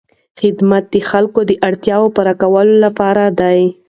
خدمت د خلکو د اړتیاوو پوره کولو لپاره دی.